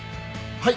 はい。